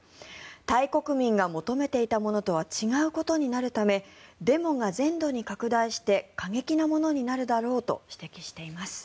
タイ国民が求めていたものとは違うことになるためデモが全土に拡大して過激なものになるだろうと指摘しています。